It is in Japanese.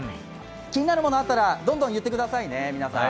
気になるものがあったら、どんどん言ってくださいね。